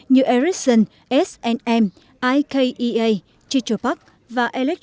như ericsson s m ikea chitropark và electrolux đều đang kinh doanh hiệu quả ở việt nam